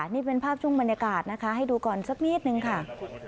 นี่เป็นภาพช่วงบรรยากาศนะคะให้ดูก่อนสักนิดนึงค่ะ